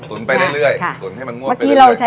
ตุ๋นไปได้เรื่อยตุ๋นให้มันงวบไปได้เรื่อย